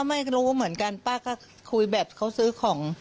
ไม่รู้เหมือนกันป้าก็คุยแบบเขาซื้อของ